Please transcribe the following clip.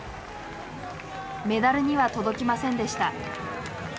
メダルには届きませんでした。